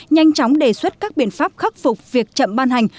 nhanh chóng đề xuất các biện pháp khắc phục việc chậm ban hành